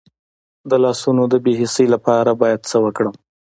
د لاسونو د بې حسی لپاره باید څه وکړم؟